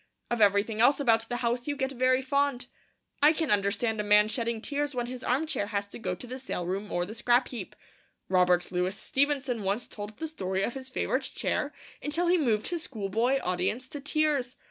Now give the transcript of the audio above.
Of everything else about the house you get very fond. I can understand a man shedding tears when his arm chair has to go to the sale room or the scrap heap. Robert Louis Stevenson once told the story of his favourite chair until he moved his schoolboy audience to tears!